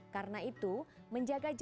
karena itu menjaga jarak atau jauh